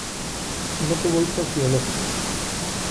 No tuvo hijos biológicos.